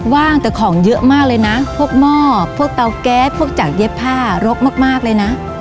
ว่างแต่ของเยอะมากเลยนะ